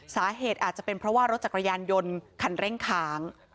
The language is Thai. สาเหตุอาจจะเป็นเพราะว่ารถจักรยานยนต์คันเร่งค้าง